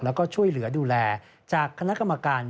แล้วก็ช่วยเหลือดูแลจากคณะกรรมการ